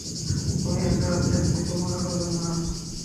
উনি একা আসছেন, কিছু মনে করবেন না।